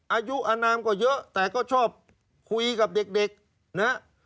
อายุอนามก็เยอะแต่ก็ชอบคุยกับเด็กนะฮะ